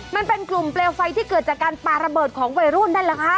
มันเป็นกลุ่มเปลวไฟที่เกิดจากการปาระเบิดของวัยรุ่นนั่นแหละค่ะ